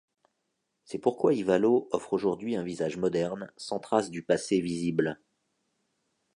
C'est pourquoi Ivalo offre aujourd'hui un visage moderne, sans trace du passé visible.